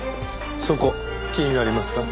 そこ気になりますか？